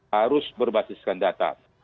harus berbasiskan data